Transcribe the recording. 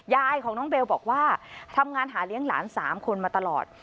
ยายของน้องเบลบอกว่าทำงานหาเลี้ยงหลาน๓คนมาตลอด